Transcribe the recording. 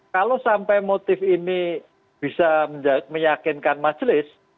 kalau sampai motif ini bisa meyakinkan majelis